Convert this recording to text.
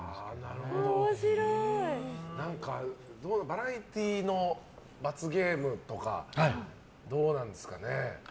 バラエティーの罰ゲームとかどうなんですかね。